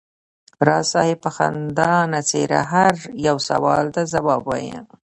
راز صاحب په خندانه څېره هر یو سوال ته ځواب وایه.